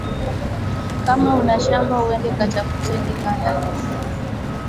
Kama uko na shamba wende katafute mikanda